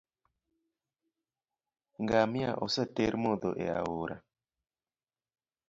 Ngamia oseter modho e aora